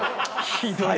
ひどい。